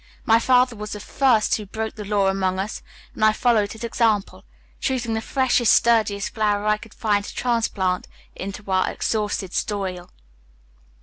My father was the first who broke the law among us, and I followed his example: choosing the freshest, sturdiest flower I could find to transplant into our exhausted soil."